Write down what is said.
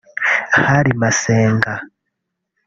hari Masenga